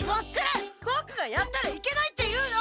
ボクがやったらいけないって言うの？